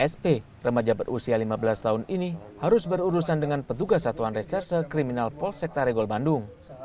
sp remaja berusia lima belas tahun ini harus berurusan dengan petugas satuan reserse kriminal polsek taregol bandung